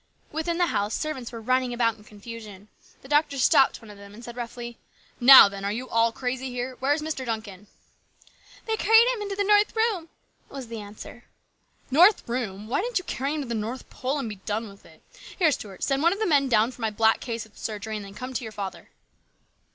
Within the house servants were running about in confusion. The doctor stopped one of them and said roughly, " Now, then, are you all crazy here ? Where is Mr. Duncan ?"" They carried him into the north room," was the answer. THE GREAT STRIKE. 19 " North room ! Why didn't you carry him to the North Pole and be done'with it ! Here, Stuart, send one of the men down for my black case at the surgery, and then come to your father."